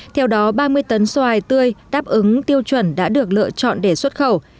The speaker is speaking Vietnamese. theo đó ba mươi tấn xoài tươi đáp ứng tiêu chuẩn đã được lựa chọn để xuất khẩu